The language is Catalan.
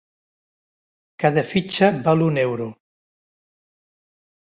Cada fitxa val un euro.